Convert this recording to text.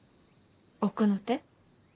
奥の手？